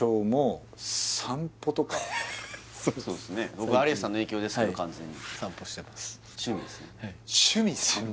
僕有吉さんの影響ですけど完全に散歩してます